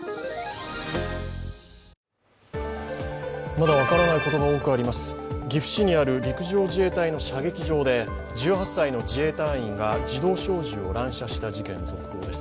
まだ分からないことが多くあります、岐阜市にある陸上自衛隊の射撃場で１８歳の自衛隊員が自動小銃を乱射した事件の続報です。